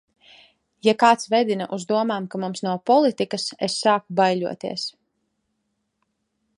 Ja kāds vedina uz domām, ka mums nav politikas, es sāku baiļoties.